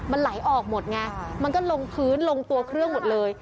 มันไหลออกหมดไงมันก็ลงพื้นลงตัวเครื่องหมดเลย